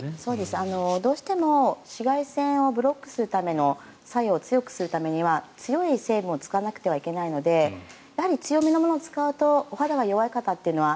どうしても紫外線をブロックするための作用を強くするためには強い成分を使わなくてはいけないのでやはり強めのものを使うとお肌が弱い方というのは